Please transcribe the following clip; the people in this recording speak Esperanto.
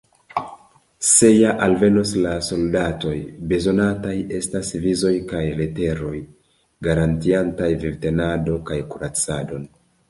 Se ja alvenos la soldatoj, bezonataj estos vizoj kaj leteroj garantiantaj vivtenadon kaj kuracadon.